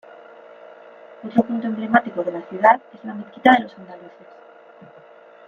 Otro punto emblemático de la ciudad es la Mezquita de los Andaluces.